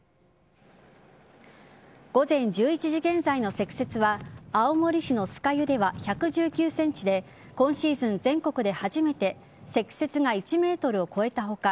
午前１１時現在の積雪は青森市の酸ヶ湯では１１ｃｍで今シーズン全国で初めて積雪が１ｍを超えた他